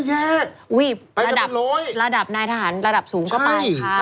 อุ้ยระดับนายทหารระดับสูงก็เปล่าค่ะ